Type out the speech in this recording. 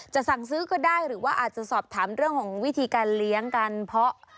สั่งซื้อก็ได้หรือว่าอาจจะสอบถามเรื่องของวิธีการเลี้ยงกันเพราะ